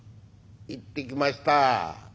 「行ってきました。